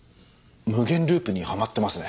無限ループにはまってますね。